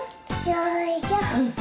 よいしょ。